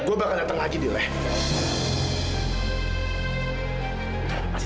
gua bakal dateng lagi dulu ya